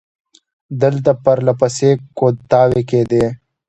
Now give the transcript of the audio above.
دلته پر له پسې کودتاوې کېدې.